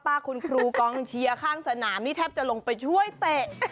คุณครูกองเชียร์ข้างสนามนี่แทบจะลงไปช่วยเตะ